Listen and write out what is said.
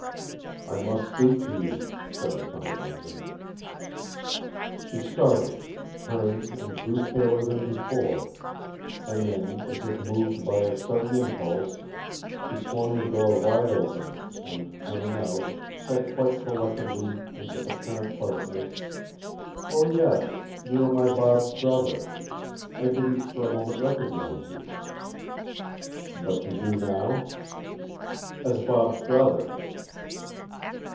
'I must speak to you,' said the trumpet major. She started, turned and grew paler than before; and then, as if moved by a sudden impulse, she swung the door wide open, and, coming out, said quite collectedly and with apparent pleasantness, 'O yes; you are my Bob's brother! I didn't, for a moment, recognize you.' 'But you do now?' 'As Bob's brother.'